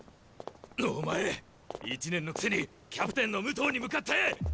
お前１年のくせにキャプテンの武藤に向かって！